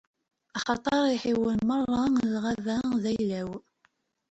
Axaṭer lḥiwan merra n lɣaba, d ayla-w.